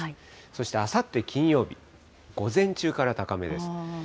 そしてあさって金曜日、午前中から高めです。